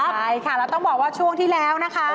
ใช่ค่ะแล้วต้องบอกว่าช่วงที่แล้วนะคะ